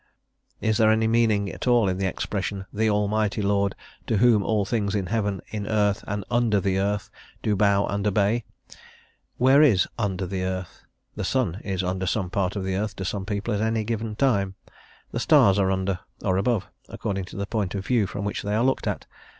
Is there any meaning at all in the expression, "the Almighty Lord.... to whom all things in heaven, in earth and under the earth do bow and obey." Where is "under the earth "? The sun is under some part of the earth to some people at any given time; the stars are under, or above, according to the point of view from which they are looked at.